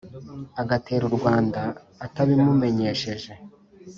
agatera u rwanda atabimumenyesheje.